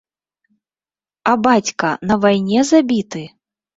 А бацька, на вайне забіты?!